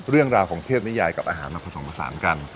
เรื่องราวของเทพนิยายกับอาหารมาผสมผสานกัน